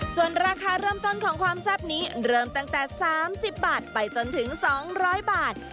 ส่วนราคาเริ่มต้นของความแซ่บนี้เริ่มตั้งแต่๓๐บาทไปจนถึง๒๐๐บาท